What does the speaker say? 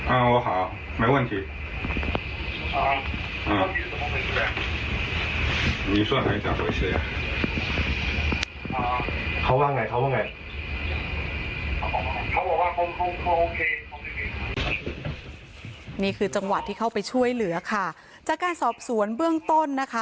นี่คือจังหวะที่เข้าไปช่วยเหลือค่ะจากการสอบสวนเบื้องต้นนะคะ